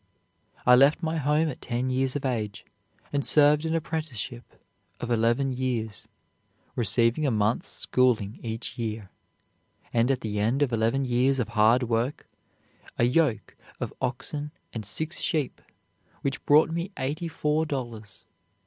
I left my home at ten years of age, and served an apprenticeship of eleven years, receiving a month's schooling each year, and, at the end of eleven years of hard work, a yoke of oxen and six sheep, which brought me eighty four dollars.